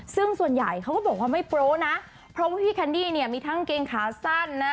ซึ่งส่วนใหญ่เขาก็บอกว่าไม่โปรนะเพราะว่าพี่แคนดี้เนี่ยมีทั้งเกงขาสั้นนะ